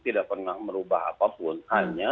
tidak pernah merubah apapun hanya